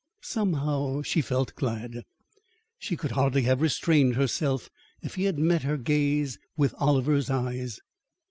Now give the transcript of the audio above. Somehow she felt glad. She could hardly have restrained herself if he had met her gaze with Oliver's eyes.